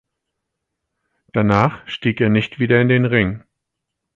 Danach stieg er nicht wieder in den Ring.